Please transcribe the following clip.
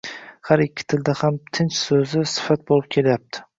Har ikki tilda ham tinch soʻzi sifat boʻlib kelyapti